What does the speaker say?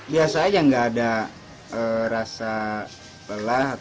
biasanya nggak ada rasa pelah